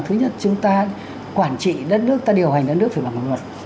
thứ nhất chúng ta quản trị đất nước ta điều hành đất nước phải bằng luật